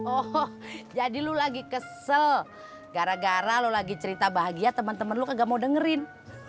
oh jadi lu lagi kesel gara gara lo lagi cerita bahagia temen temen lu kagak mau dengerin